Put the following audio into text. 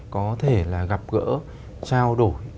có thể là gặp gỡ trao đổi